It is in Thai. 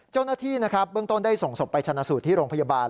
เจ้าหน้าที่นะครับเบื้องต้นได้ส่งศพไปชนะสูตรที่โรงพยาบาล